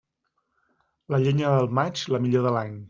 La llenya del maig, la millor de l'any.